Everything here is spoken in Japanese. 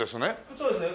そうですね。